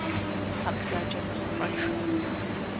Хьэ бзаджэ тӏысыпӏэншэ.